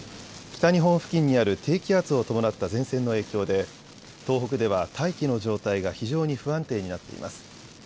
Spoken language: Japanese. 北日本付近にある低気圧を伴った前線の影響で東北では大気の状態が非常に不安定になっています。